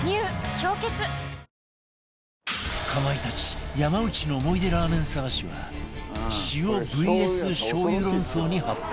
「氷結」かまいたち山内の思い出ラーメン探しは塩 ＶＳ しょうゆ論争に発展